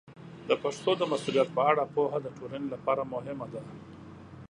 د پښتو د مسوولیت په اړه پوهه د ټولنې لپاره مهمه ده.